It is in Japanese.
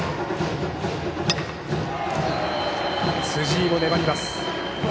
辻井も粘ります。